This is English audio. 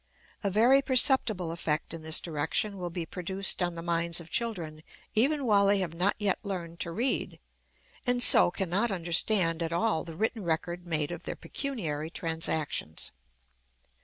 A very perceptible effect in this direction will be produced on the minds of children, even while they have not yet learned to read, and so can not understand at all the written record made of their pecuniary transactions.